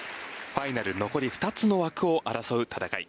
ファイナル残り２つの枠を争う戦い。